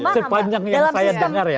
sepanjang yang saya dengar ya